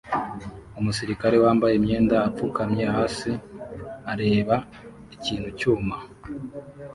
Umusirikare wambaye imyenda apfukamye hasi areba ikintu cyuma